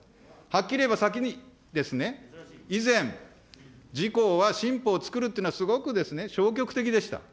はっきり言えば、先にですね、以前、自公は新法を作るっていうのは、すごくですね、消極的でした。